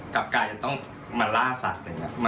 กลับกลายจะต้องมาล่าสัตว์